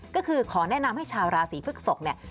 ก็คือขอแนะนำให้ชาวราศีพฤกษกเนี่ย